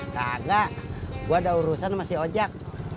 kagak gue ada urusan sama si ojak